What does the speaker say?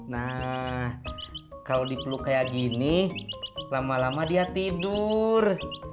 nah kalau dipeluk kayak gini lama lama dia tidur